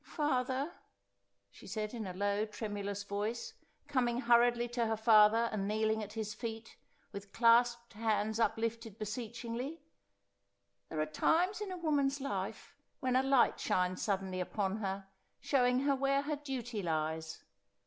Father,' she said in a low tremulous voice, coming hurriedly to her father and kneeling at his feet, with clasped hands uplifted beseech ingly, 'there are times in a woman's life when a light shines suddenly upon her, showing her where her duty lies.